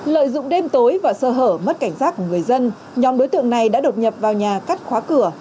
lợi dụng đêm tối và sơ hở mất cảnh giác của người dân nhóm đối tượng này đã đột nhập vào nhà cắt khóa cửa